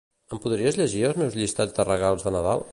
Em podries llegir els meus llistats de regals de Nadal?